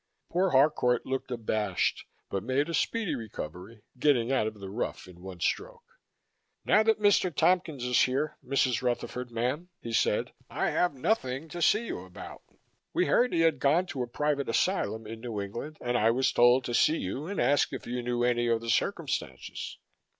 Poor Harcourt looked abashed but made a speedy recovery, getting out of the rough in one stroke. "Now that Mr. Tompkins is here, Mrs. Rutherford, mam," he said, "I have nothing to see you about. We heard he had gone to a private asylum in New England and I was told to see you and ask if you knew any of the circumstances."